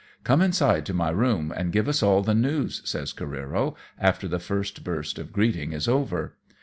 " Come inside to my room and give us all the news^" says CareerOj after the first burst of greeting is over.